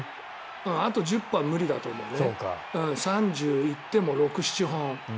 あと１０本は無理だと思うね行っても３６３７本。